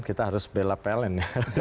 kita harus bela pln